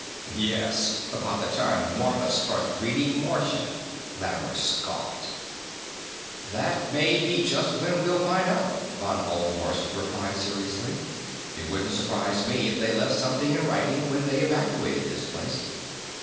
"Yes, about the time Martha starts reading Martian," Lattimer scoffed. "That may be just when we'll find out," von Ohlmhorst replied seriously. "It wouldn't surprise me if they left something in writing when they evacuated this place."